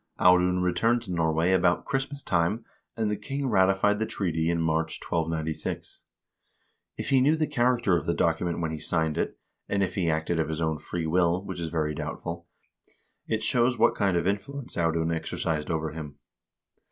Audun returned to Norway about Christmas time, and the king ratified the treaty in March, 1296. If he knew the character of the document when he signed it, and if he acted of his own free will, which is very doubtful, it shows what kind of influ ence Audun exercised over him.